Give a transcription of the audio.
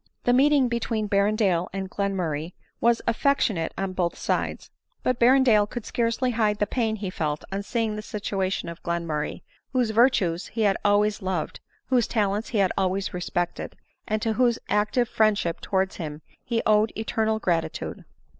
The meeting between Berrendale and Glenmurray was affectionate on both sides ; but Berrendale could scarcely hide the pain he felt on seeing the situation of Glenmurray, whose virtues he had always loved, whose talents he had always respected, and to whose active friendship towards him he owed eternal gratitude.